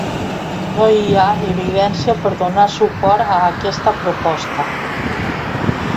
No hi ha evidència per donar suport a aquesta proposta.